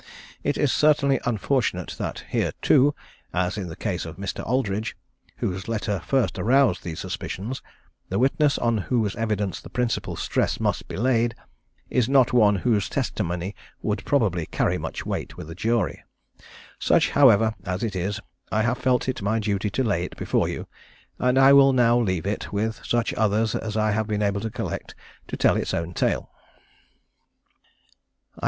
It is certainly unfortunate that here, too as in the case of Mr. Aldridge, whose letter first aroused these suspicions the witness on whose evidence the principal stress must be laid, is not one whose testimony would probably carry much weight with a jury. Such, however, as it is, I have felt it my duty to lay it before you; and I will now leave it, with such other as I have been able to collect, to tell its own tale.